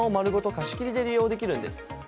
貸し切りで利用できるんです。